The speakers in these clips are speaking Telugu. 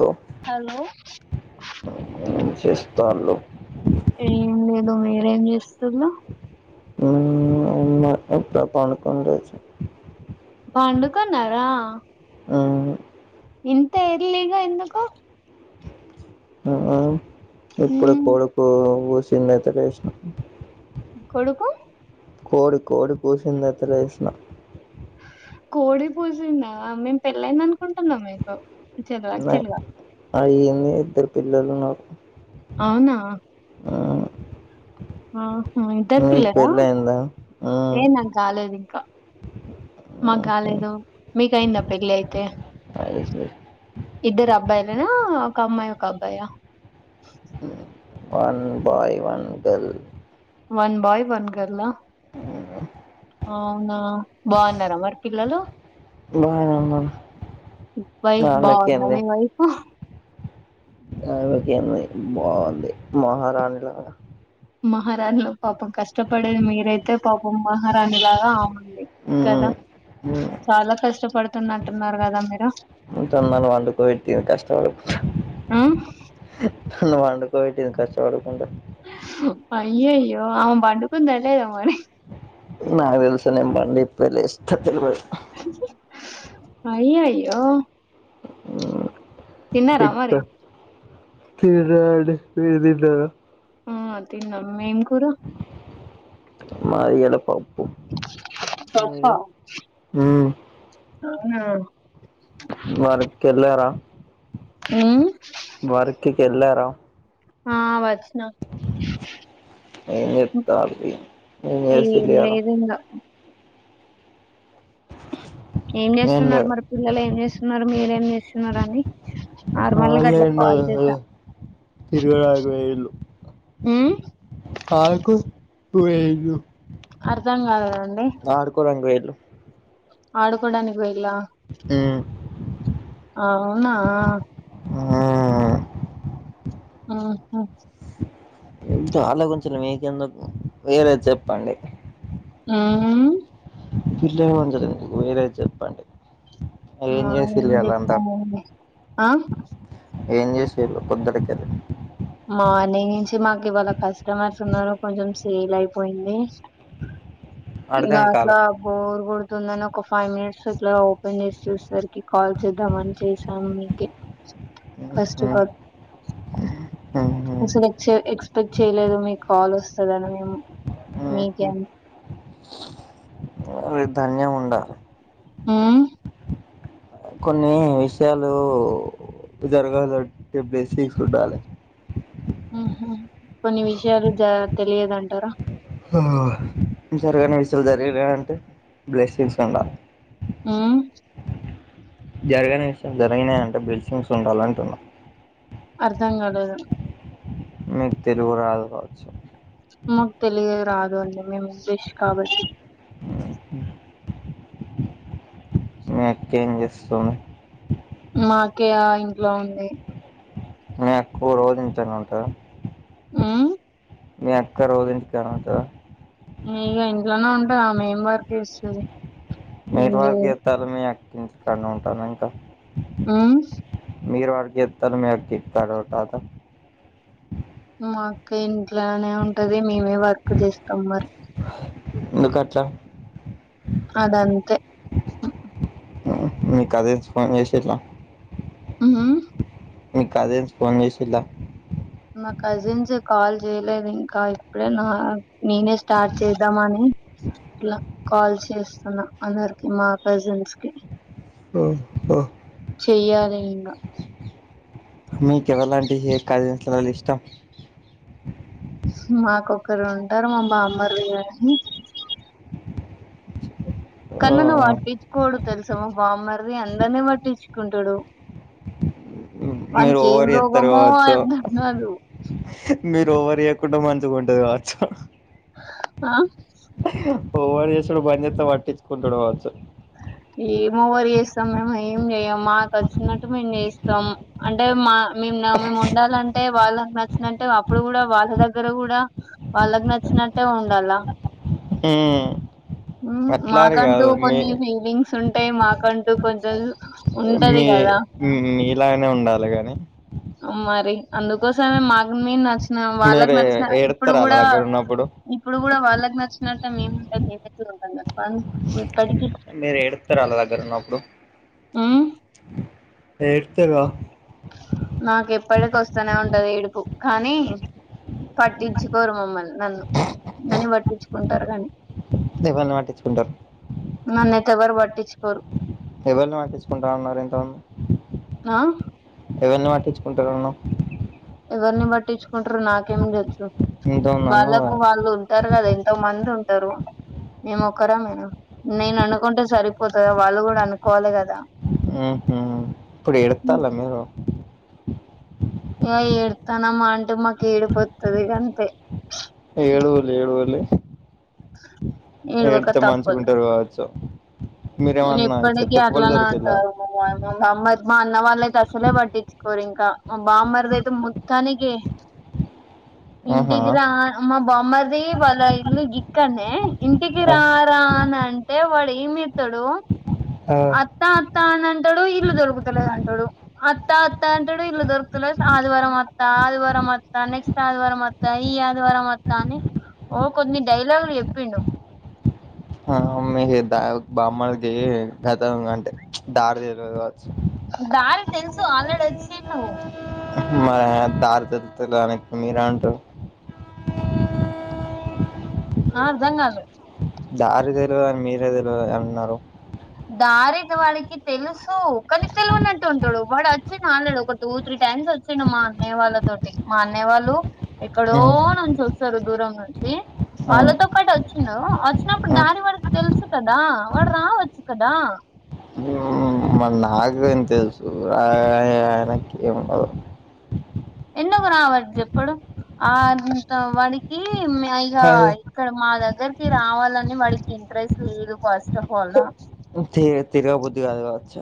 తో హలో తాలో ఏం లేదు మీరేం చేస్తున్నవ్ ఉమ్ ఏం లేదు ఇప్పుడే పడుకొని లేచిన పండుకున్నార ఉహ్మ్ ఇంత ఎర్లీగ ఎందుకు ఆ ఇప్పుడే ఉమ్, కోడి కూసింది అయితే లేసిన కొడుకు కోడి కోడి కూసింది అయితే లేషిన కోడి కోసిందా మేము పెళ్ళైంద అనుకుంటున్నాం మీకు ఈథైల్ ఆ తెలుగా [unintelligible] అలా ఏం లేదు ఇద్దరు పిల్లలు నాకు అవునా ఆ ఆ ఇద్దరు పిల్లరా అయిందా ఏ నాకు కాలేదు ఇంక మాకు గాలేదు మీకయంద పెళ్లి అయితే అయింది ఇద్దరూ అబ్బాయిలేన ఒక అమ్మాయి ఒక అబ్బాయ one boy one girl one boy one girl ఆ అవున బాగున్నార మరి పిల్లలు బాగా వైఫ్ బాగుంద ఆమెకేంది నీ వైఫ్ ఆవిడకేంది బాగుంది మహారాణిలాగ మహారాణి పాపం కష్టపడేది మీరైతే పాపం మహారాణి లాగ అమే కద చాల కష్టపడుతుంది అంటున్నారు కద మీరు ఎంతైన వండుకొని తిని కష్టపడు నువ్వు వండుకో పెట్టింది కష్టపడకుండా అయ్యయ్యో ఆమె పండుకుంద తెలేద మరి నాకు తెలుస నేను బండి ఇప్పు ఇష్ట పో అయ్య అయ్యో తిన్నార మరి తడడి విడదద్దారు ఆ తిన్నాం మేం కూర మాది ఎడప సప్ప మ్మ్. అవున ఉమ్ వర్క్ కి ఎళ్ళార ఆ వచ్చినా ఏం చెప్తారు చేసి ఏం వెళ్ళారా లేదు ఇంగా ఏం చేస్తున్నారు మరి పిల్లలు ఏం చేస్తున్నారు మీరేం చేస్తున్నారు అని నార్మల్ గా అట్లా ఆళన్న కాల్ చేసా తిరుగుడకపోళు ఉమ్ ఆకు తూ ఏ అర్థం కాదు కదండి లో ఆడుకోడానికి పోయి ఉ అవునా ఆ ఆహ ఆలో కొంచం మీకెందుకు వేరేది చెప్పండి ఆ అ పిల్ మీరే చెప్పండి ఆ ఏం చేసిర్రు ఇయాల అంతా చెప్తానండి ఆ ఏం చేసిరు పొద్దుటికి అది మార్నింగ్ నుంచి మాకు ఇవాళ కస్టమర్స్ ఉన్నారు కొంచెం సేల్ అయిపోయింది ఇంగ అర్థం అట్లా కాలే బోర్ గు అందని ఒక ఫైవ్ మినిట్స్ ఇట్లా ఓపెన్ చేసి చూసేసరికి కాల్ చేద్దాంమని చేసాను మీక first um, all um, um, expect చేయలేదు మీకు కాల్ వస్తదని మేము మీకేం ధన్యము ఉండ ఊ కొన్ని విషయాలు జరగాలే చెప్పేసితీ చూడాలి కొన్ని విషయాలు జ తెలియదంట సరిగానే విసులు జరిగలే అంటే బ్లెస్సింగ్స్ ఉండాలి ఉ జరగని విషయం జరిగినా అంటే బిల్సింగ్స్ ఉండాల అంటున్నా అర్ధం కాలేదు మీకు తెలుగు రాదు కావచ్చు మాకు తెలిగు రాదు అండి మేము ఇంగ్లీష్ కాబట్టి ఇ మీ అక్కేం చేస్తుంది మాక్కాయ ఇంట్లో ఉంది మీ అక్కు రోజింట్లనే ఉంటదా ఉమ్ మీ అక్క రోజు ఇంటికానే ఉంటదా ఇగ ఇంట్లోనే ఉంటది ఆమేం వర్క్ చెస్తది మీరు వర్క్ చేత్తళ్ళు మీ అక్క ఇంటికాన్నే ఉంటందా ఇంకా ఉమ్ మీరు వర్క్ చేత్తళ్ళు మే అక్క ఇంటికాన్నే ఉంటందా మాక అక్క ఇంట్లోనే ఉంటది మేమే వర్క్ చేస్తాం మరి ఎందుకాట్లా అదంతే మీ కజీన్స్ ఫోన్ చేసిల్లా ఉ ఉహ్మ్ మీ కజిన్స్ ఫోన్ చేసిల్లా మా కజిన్స్ ఎ కాల్ చేయలేదు ఇంకా ఇప్పుడే నా నేనే స్టార్ట్ చేద్దామని అట్లా కాల్ చేస్తున్నా అందరికి మా కజిన్స్ కి ఆ ఆ చెయ్యాలి ఇంగా మీ కేవలంటే హె కజిన్స్ లల్లా ఇష్టం మాకొక్కరు ఉంటారు మా బామ్మారిది గనీ కన్నన వాట్ విచ్ కోడు తెలుసా మా బామ్మరిది అందరినీ పట్టించుకుంటడు మీరు వానీకి ఏం ఓవర్ చేస్తారు రోగమో కావచ్చు అర్థం కాదు మీరు ఒవర్ చేయకుండా మంచిగుంటది కావచ్చా ఆ ఓవర్ చేసుడు బంజేత్తే పట్టించుకుంటడు కావచ్చు ఏమోవరు చేస్తాం మేము ఏం చేయం మాకచ్చినట్టు మేమ్ చేస్తాం అంటే మా మేమ్ నం ఉండాలం అంటే వాళ్ళకి నచ్చినట్టే అప్పుడు కూడా వాళ్ళ దగ్గర కూడా వాళ్ళకి నచ్చినట్టే ఉండాల ఉమ్ అట్లా అని మాకంటూ కాదు మీ కొన్ని సుంటై మాకంటూ కొంచెం ఉంటది మీ కదా మీలాగనే ఉండాలే గాని మరి అందుకోసమే మాక్ మెం నచ్చి నం వాళ్ళకి మీరు నచ్చిన ఇప్పుడు ఏడుత్తరా ఆళ్ళ కూడా దగ్గర ఉన్నప్పుడు ఇప్పుడు కూడా వాళ్ళ ల్లాకి నచ్చినట్టె మేముంటే [inaudible] ఇప్పటికీ మీరు ఏడుత్తార అల్లా దగ్గర ఉన్నప్పుడు ఉమ్ ఏడ్త్తర నాకు ఎప్పడికి వస్తనే ఉంటది ఏడుపు కానీ పట్టించుకోరు మమ్మల్ని నన్ను నన్ని పట్టించుకుంటారు గానీ ఎవరిని పట్టించుకుంటారు నన్నయితే ఎవరు పట్టించ్చుకొరు ఎవల్ని పట్టించ్చుకుంటా అన్నారు ఇంత ఆ ఎవల్ని పట్టించుకుంటారన్నవ్ ఎవరిని పట్టించుకుంటరు నాకేం తెలుసు ఇంతమంది అన్నావ్ గా వాళ్ళకు వాళ్ళు ఉంటారు కదా ంతో మంది ఉంటరు మేమొక్కరమేన నేను అనుకుంటే సరిపోతదా వాళ్ళు కూడా అనుకోవాలి గదా ఉహ్మ్ ఇప్పుడు ఎడ్త్తాల్లా మీరు ఇగ ఏడ్త్తానమా అంటే మాకు ఏడుపోత్తది గంతే ఏడువుల్లి ఏడువుల్లి ఏడవక ఏడ్త్తే మంచిగుంటరు కావచ్చు నేన్ మీరేమన్నా చెత్త ఎప్పడికి కుప్పలు అట్లానే దొరికిల్లా ఉంటారు మ మమ్మా మా అన్న వాళ్ళయితే అసలే పట్టించుకోరు ఇంకా మా బామ్మారిదయితే మొత్తానికె ఆహా ఇంటికిరా మ బామ్మరిది వాళ్ళ ఇల్లు గిక్కనేే ఇంటికి ఆ రారా అని అంటే వాడు ఏం చెత్తడు అత్త అత్తా అనంటాడు ఇల్లు దొరుకుతులేదు అంటాడు అత్తా అత్తా అంటాడు ఇల్లు దొరుకుతులేదు ఆదివారం అత్తా ఆదివారం మత్తా నెక్స్ట్ ఆదివారం మత్తా ఈ ఆదివార మత్తా అని ఓ కొన్ని డైలాగులు చెప్పిండు ఏ ద్దాగు బామ్మర్దికి గత అంటే దారి తెల్వదు దారి తెలుసు ఆలర్డీ అచ్చిండు మర దార్క్తేలేదనిప్పు మీరే అంటరు ఆ అర్ధంగాలే దారి తెల్వదని మీరే తెల్వద అన్నారు దారి వాడికి తెలుసు కానీ తెలవనట్టు ఉంటడు వాడు వచ్చి ఆలర్డీ ఒక టూ త్రీ టైం మ్స్ వచ్చిండు మా అన్నయ వాళ్ళ తోటి మా అన్నయ వాళ్ళు ఎక్కడో మ్మ్ నుంచి స్తరు దూరం నుంచి మ్మ్ వాళ్ళతో పాటు వచ్చిండు వచ్చినప్పుడు మ్మ్ దారి వాడికి తెలుసు కదా వాడు రావచ్చు కదా మరీ నాకేం తెలుసు అఅఅఅ ఆయనకేమున్నదో ఎందుకు రావడి ఎప్పుడు అంతో వాడికి హ్మ్ ఇగ అదే ఇక్కడ మా దగ్ దగ్గరికి రావాలని వాడికి ఇంట్రెస్ట్ లేదు ఫస్ట్ ఆఫ్ అల్ తె తిరగబుద్ధి కాదు కావచ్చు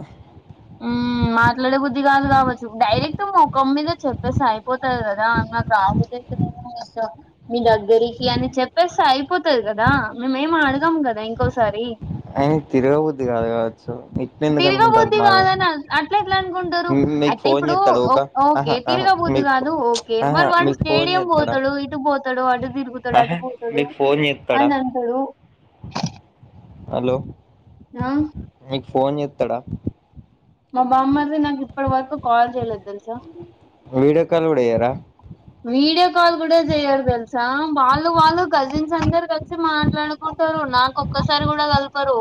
ఉమ్ మాట్లాడ బుద్ది కాదు కావచ్చు డైరెక్ట్ మొఖం మీద చెప్పేసి అయిపోతది కదా నాకు రా బుద్ద మీ దగ్గరికి అని చెప్పేస్తె అయిపోతది కదా మేమేమడగామ్ కదా ఇంకోసారి ఎ తిరగబుద్ది కాదు కా సో ఇట్నీ ఎందుకు అనుకుంటార్రు తిరగబుద్ది మాగ కాదని అట్ల ఎట్లా అనుకుంటరు మీకు అయితే ఫోన్ ఇప్పుడు చేత్తడా ఊక ఆహ ఓకే ఆహ తిరగబుద్ది మీక్ ఫో కాదు ఓకే ఆహా మరి వాడు మీకు ఫోన్ స్టేడియం చేత్తడా పోతడు ఇటు పోతడు అటు తిరుగుతడు అటుపోతడు చేస్తాడా అనంటడు హలో ఆ మీకు ఫోన్ చెత్తడా మా బామ్మర్ది నాకు ఇప్పటి వరకు కాల్ చేయలేదు తెలుసా వీడియో కాల్ కూడా చేయరా వీడియో కాల్ కూడా చెయరు తెల్సా వాళ్ళు వాళ్ళు కజిన్స్ అందరు కలిసి మాట్లాడుకుంట రు నాకొక్కసారి కూడా కలపరు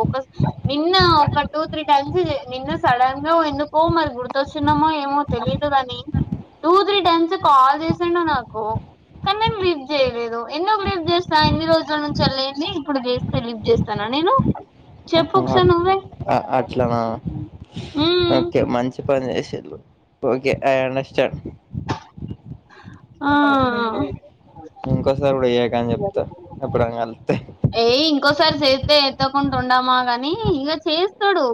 నిన్న ఒక టూ తీ టైమ్స్ నిన్న సడన్ గా ఎందొ ఎందుకో మరి గుర్తొచ్చిన్నమో ఏమో తెలిదు గని టూ త్రీ టైమ్స్ కాల్ చేస్ సిండు నాకు కనీ నేన్ లీఫ్ చేయలేదు ఎందుకు లీఫ్ చేస్త ఇన్ని రోజుల నుంచెల్లేంది ఇప్పుడు చేస్తే లీఫ్ చేస్తన నేను చెప్పు ఆహా ఒకసా అట్- నువ్వే అ అట్లానా ఉమ్ ఓకే మంచి పని చేసిల్లు ఓకే ఐ అండస్టాండ్ ఆ ఇంకోసారి కూడా చెయ్యాకని చెప్తా ఎప్పుడైన కల్తే ఏయ్ ఇంకోసారి చేత్తే ఎత్తకుండా ఉండమా గాని ఇక చేస్తడు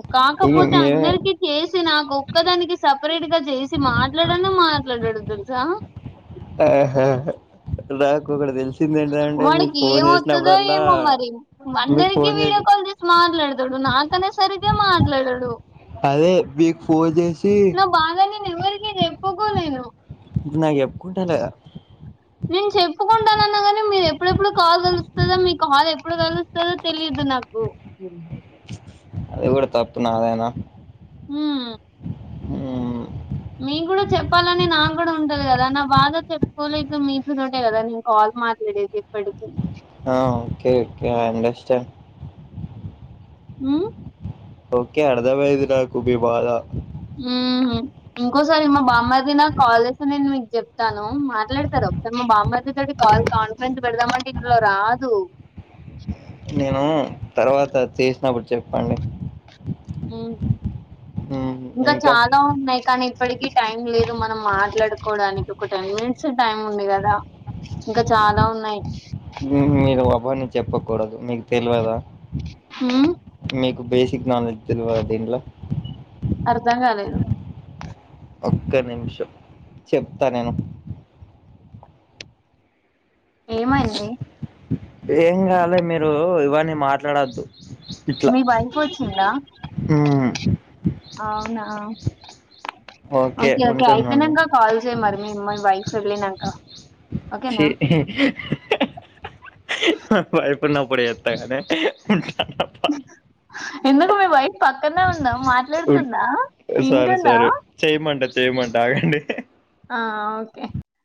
ఇగ కాకపోతే మేము అందరికీ చేస్ సి నాకు ఒక్కదానికి సపరేట్ గా చేసి మాట్లాడన మాట్లాడడు తెల్సా ఆహ నాకొకడ తెలుస్ వాడికి ఏమత్తదో ఏమో మరి మీకు అందరికి ఫోన్ వీడియో కాల్ చేసి మాట్లాడ తడు నాతోనే సరిగ్గా మాట్లాడడు అదే మీకు ఫోన్ చేసి నా బాధ ఎవరికి చెప్పుకోలేను ఇప్పుడ్ నాక్ చెప్పకుంటాళ్ళుగా నేన్ చెప్పుకుం టనన్నాగాని మీరు ఎప్పుడెప్పుడు కాల్ కలుస్తద మీ కాల్ ఎప్పుడు కలుస్తదో తెలియదు నాకు అది కూడా తప్పు నాదేనా ఉమ్ మ్మ్ మీం గుడా చెప్పాలని నాకు కూడా ఉంటది కదా నా బాధ చెప్పుకోలేక మీతోతోటే కదా నేన్ కాల్ మాట్లాడేది ఎప్పడికిీ అ ఒకే okay I understand um okay అర్థం అయింది నాకు మీ బాధ ఉహ్మ్ ఇంకోసారి మా బామ్మారిది నాక్ కాల్ చేస్తె నేన్ మీకు చెప్తాను మాట్లాడతారు ఒకసారి మా బామ్మరిదితోటి కాల్ కాన్ఫిడెన్స్ పెడదామంటే ఇంద్లో రాదు నేను తర్వాత చేసినప్పుడు చెప్పండి ఉమ్ ఇంకా చాలా ఉన్నాయి కానీ ఇప్పడికి టైం లేదు మనం మాట్లాడుకోడానికి ఒక టెన్ మినిట్స్ఎ టైం ఉంది కదా ఇంకా చాలా ఉన్నాయి ఉహ్ మీరు అవన్ని చెప్పకూడదు మీకు తెల్వదా ఉమ్, మీకు బేసిక్ నాలెడ్జ్ తెల్వాదా దీంట్ల అర్ధం కాలేదు ఒక్క నిమిషం చెప్తా నేను ఏమైంది ఏం గాలే మీరు ఇవన్నీ మాట్లాడద్దు ఇట్లా మీ వైఫ్ వచ్చిందా ఉమ్ అవునా ఓకే ఓకే అయిపోయినంక కాల్ చేయ్ మరి మ్మాయి వైఫ్ ఎల్లినంక చి మా వైఫ్ ఉన్నపుడు ఎత్తగని ఎందుకు మీ వైఫ్ పక్కనే ఉ ందా మాట్లాడుతుందా సారీ వింటుందా సారీ చేయమంట చేయమంట ఆగండి ఆ ఓకే